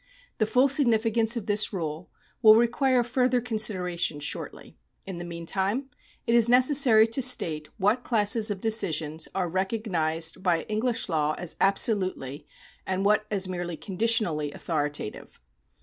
The full significance of this rule will require further con sideration shortly. In the meantime it is necessary to state what classes of decisions are recognised by English law as absolutely, and what as merely conditionally authoritative.